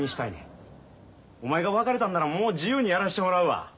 お前が別れたんならもう自由にやらしてもらうわ。